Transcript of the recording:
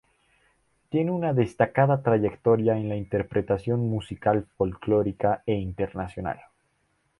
Tiene una destacada trayectoria en la interpretación musical folklórica e internacional.